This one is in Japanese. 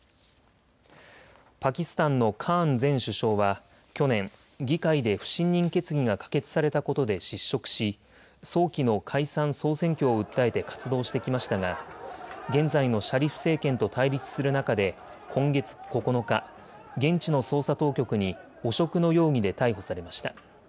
パキスタンのカーン前首相は去年、議会で不信任決議が可決されたことで失職し早期の解散・総選挙を訴えて活動してきましたが現在のシャリフ政権と対立する中で今月９日、現地の捜査当局に汚職の容疑で逮捕されました。